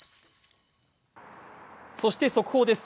そして速報です。